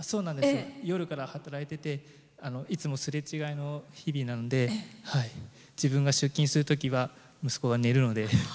夜から働いてていつもすれ違いの日々なんで自分が出勤するときは息子が寝るので。